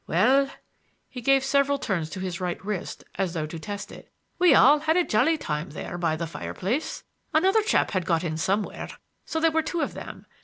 Well,"—he gave several turns to his right wrist, as though to test it,—"we all had a jolly time there by the fireplace. Another chap had got in somewhere, so there were two of them.